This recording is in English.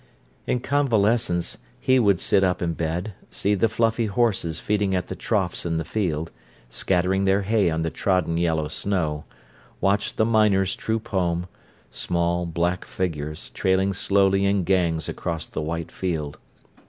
In convalescence he would sit up in bed, see the fluffy horses feeding at the troughs in the field, scattering their hay on the trodden yellow snow; watch the miners troop home—small, black figures trailing slowly in gangs across the white field.